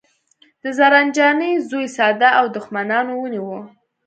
د زرجانې زوی ساده و او دښمنانو ونیوه